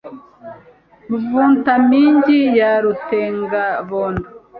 Mavutamingi ya rutengabondo